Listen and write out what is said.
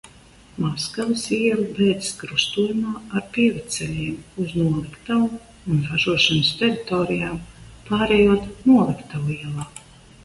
Maskavas iela beidzas krustojumā ar pievedceļiem uz noliktavu un ražošanas teritorijām, pārejot Noliktavu ielā.